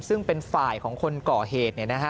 ซึ่งเป็นฝ่ายของคนก่อเหตุ